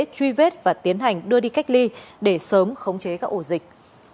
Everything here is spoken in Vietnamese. truy vết và tiến hành đưa đi cách ly để sớm khống chế các ổ dịch